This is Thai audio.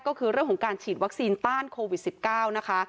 ก็คือเรื่องของการฉีดวัคซีนต้านโควิด๑๙นะคะ